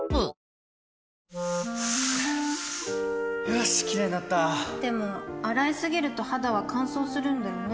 よしキレイになったでも、洗いすぎると肌は乾燥するんだよね